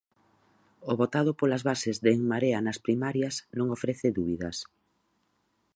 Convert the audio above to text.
O votado polas bases de En Marea nas primarias non ofrece dúbidas.